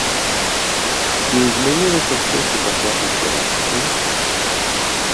Ці змянілася штосьці пасля канферэнцыі?